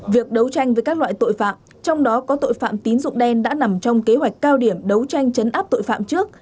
việc đấu tranh với các loại tội phạm trong đó có tội phạm tín dụng đen đã nằm trong kế hoạch cao điểm đấu tranh chấn áp tội phạm trước